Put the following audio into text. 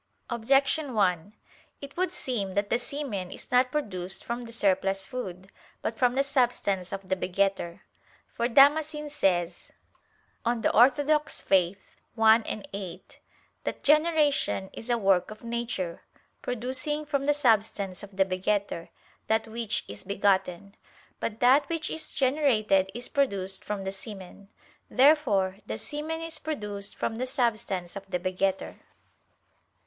Objection 1: It would seem that the semen is not produced from the surplus food, but from the substance of the begetter. For Damascene says (De Fide Orth. i, 8) that "generation is a work of nature, producing, from the substance of the begetter, that which is begotten." But that which is generated is produced from the semen. Therefore the semen is produced from the substance of the begetter.